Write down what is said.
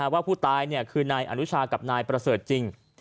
ว่าผู้ตายคือนายอนุชากับนายประเสริฐจริง